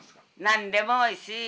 何でもおいしい。